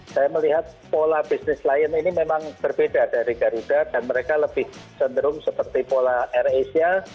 saya melihat pola bisnis lion ini memang berbeda dari garuda dan mereka lebih cenderung seperti pola air asia